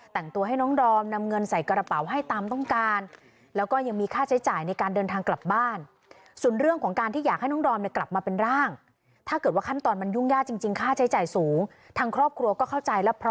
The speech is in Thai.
แต่งตัวให้น้องดอมนำเงินใส่กระเป๋าให้ตามต้องการ